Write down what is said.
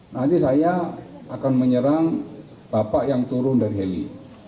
nanti saya akan menyerang bapak yang turun dari heli